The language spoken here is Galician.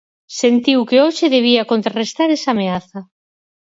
Sentiu que hoxe debía contrarrestar esa ameaza.